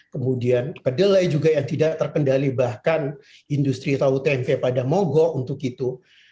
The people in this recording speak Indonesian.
kemudian kedelai juga yang tidak terkendali bahkan industri tahu tempe pada mogok untuk itu